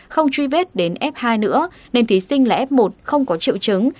không truy vết đến f hai nữa nên thí sinh là f một không có triệu chứng